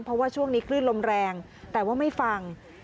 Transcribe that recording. เพราะว่าช่วงนี้คลื่นลมแรงแต่ว่าไม่ฟัง